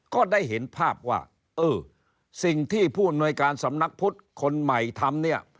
ก็ได้เห็นภาพว่าเออสิ่งที่ผู้อำนวยการสำนักพุทธคนใหม่ทำเนี่ย